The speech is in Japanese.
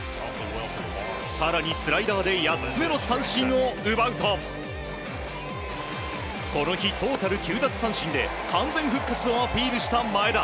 更にスライダーで８つ目の三振を奪うとこの日トータル９奪三振で完全復活をアピールした前田。